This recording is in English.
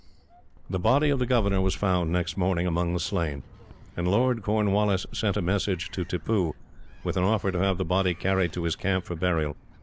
The body of the governor was found, next morning, among the slain; and Lord Cornwallis sent a message to Tippoo, with an offer to have the body carried to his camp for burial.